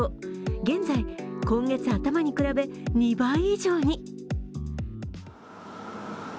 現在、今月頭に比べ、２倍以上に。